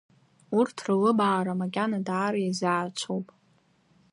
Урҭ рлыбаара макьана даара изаацәоуп.